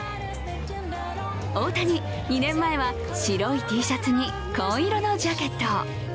大谷、２年前は白いＴシャツに紺色のジャケット。